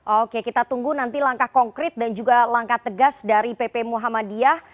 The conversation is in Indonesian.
oke kita tunggu nanti langkah konkret dan juga langkah tegas dari pp muhammadiyah